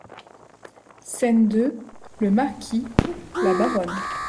SCÈNE deux LE MARQUIS, LA BARONNE.